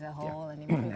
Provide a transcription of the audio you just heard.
dan membangun kebaikan